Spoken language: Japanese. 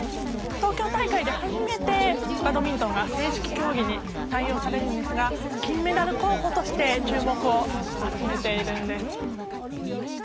東京大会で初めてバドミントンが正式競技に採用されるんですが金メダル候補として注目を集めているんです。